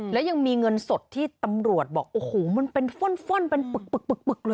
แล้วยังมีเงินสดที่ตำรวจบอกโอ้โหมันเป็นฟ่อนเป็นปึกเลย